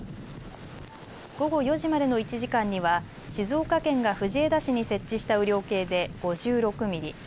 午後４時までの１時間には静岡県が藤枝市に設置した雨量計で５６ミリ。